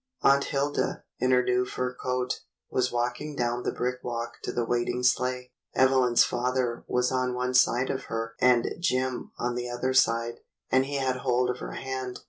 Aunt Hilda, in her new fur coat, was walking down the brick walk to the w^aiting sleigh. Evelyn's father was on one side of her and Jim on the other side, and he had hold of her hand.